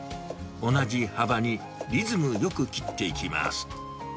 同じ幅にリズムよく切っていきます。